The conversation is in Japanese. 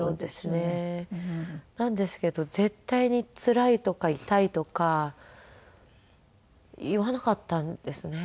なんですけど絶対につらいとか痛いとか言わなかったんですね。